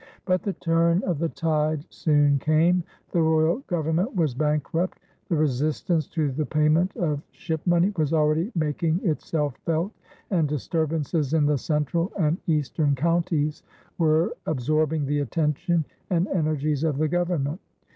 But the turn of the tide soon came. The royal Government was bankrupt, the resistance to the payment of ship money was already making itself felt, and disturbances in the central and eastern counties were absorbing the attention and energies of the Government.